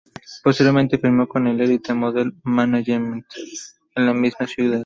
Posteriormente firmó con Elite Model Management, en la misma ciudad.